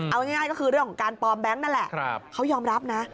เอาง่ายก็คือเรื่องของการปลอมแบงค์นั่นแหละเขายอมรับนะ